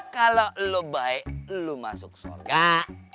kalau lo baik lo masuk surat allah